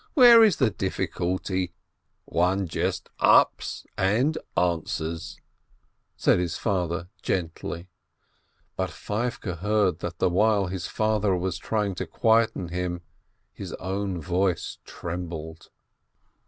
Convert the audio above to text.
Where is the difficulty? One just ups and answers!" said his father, gently, but Feivke heard that the while his father was trying to quiet him, his own voice trembled.